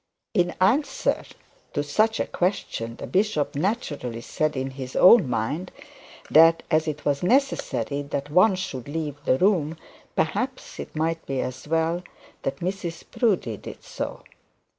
In answer to such a question the bishop naturally said in his own mind, that it was necessary that one should leave the room, perhaps it might be as well that Mrs Proudie did so.